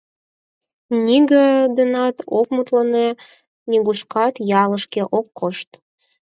Нигӧ денат ок мутлане, нигушкат ялышке ок кошт.